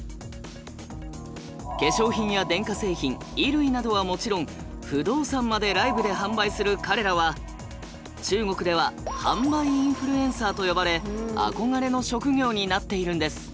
化粧品や電化製品衣類などはもちろん不動産までライブで販売する彼らは中国では「販売インフルエンサー」と呼ばれ憧れの職業になっているんです。